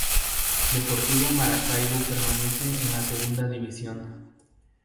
Deportivo Maracaibo permanece en la Segunda División